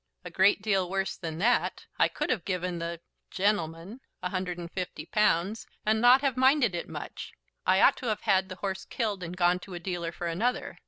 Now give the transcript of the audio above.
"A great deal worse than that. I could have given the gentleman a hundred and fifty pounds, and not have minded it much. I ought to have had the horse killed, and gone to a dealer for another.